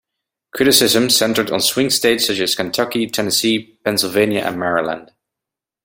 Criticism centered on swing states such as Kentucky, Tennessee, Pennsylvania, and Maryland.